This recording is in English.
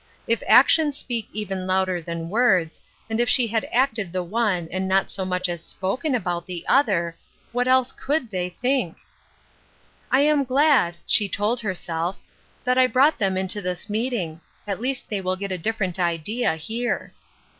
If actions speak even louder than words, and if she had acted the one, and not so much as spoken about the other, what else could they think ? "I am glad," she told herself, " that I brough' ''That Which Satisfieth Not.' 347 them into this meeting. At least they will get a different idea here."